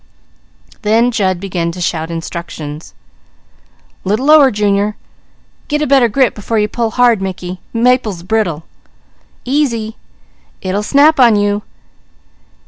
Then Jud began to shout instructions: "Little lower, Junior! Get a better grip before you pull hard, Mickey! Maple is brittle! Easy! It will snap with you!